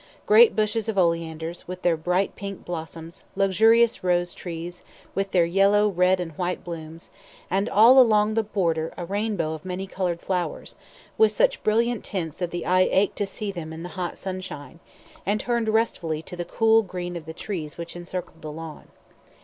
Great bushes of oleanders, with their bright pink blossoms, luxurious rose trees, with their yellow, red, and white blooms, and all along the border a rainbow of many coloured flowers, with such brilliant tints that the eye ached to see them in the hot sunshine, and turned restfully to the cool green of the trees which encircled the lawn.